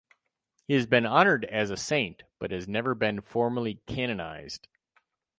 He has been honored as a saint but has never been formally canonized.